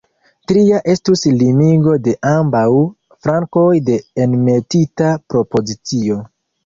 Tria estus limigo de ambaŭ flankoj de enmetita propozicio.